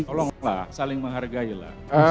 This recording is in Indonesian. tolonglah saling menghargailah